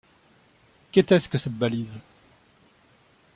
Qu’était-ce que cette balise?